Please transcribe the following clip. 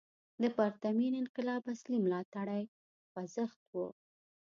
د پرتمین انقلاب اصلي ملاتړی خوځښت و.